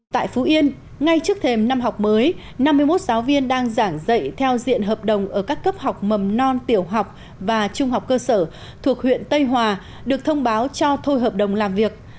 tại phú yên ngay trước thềm năm học mới năm mươi một giáo viên đang giảng dạy theo diện hợp đồng ở các cấp học mầm non tiểu học và trung học cơ sở thuộc huyện tây hòa được thông báo cho thôi hợp đồng làm việc